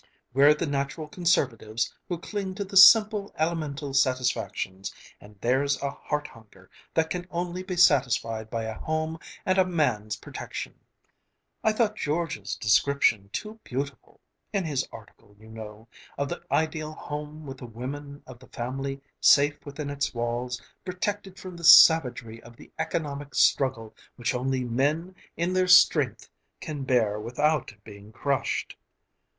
We're the natural conservatives, who cling to the simple, elemental satisfactions, and there's a heart hunger that can only be satisfied by a home and a man's protection! I thought George's description too beautiful ... in his article you know... of the ideal home with the women of the family safe within its walls, protected from the savagery of the economic struggle which only men in their strength can bear without being crushed."